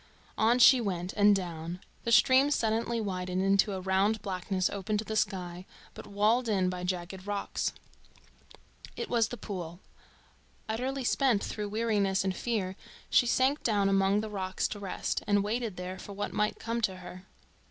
On she went, and down. The stream suddenly widened into a round blackness open to the sky, but walled in by jagged rocks. It was the pool. Utterly spent through weariness and fear, she sank down among the rocks to rest, and waited there for what might come to her.